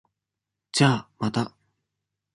じゃあ、また。